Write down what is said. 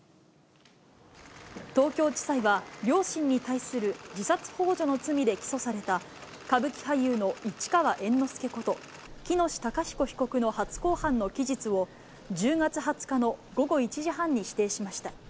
東京地裁は、両親に対する自殺ほう助の罪で起訴された、歌舞伎俳優の市川猿之助こと、喜熨斗孝彦被告の初公判の期日を、１０月２０日の午後１時半に指定しました。